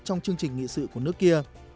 trong chương trình nghị sự của nước kia